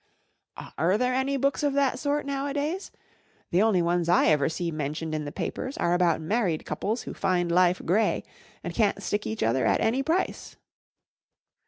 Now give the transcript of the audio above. " Are there any books of that sort now¬ adays ? The only ones I ever see mentioned in the papers are about married couples who find life grey, and can't stick each other at any price."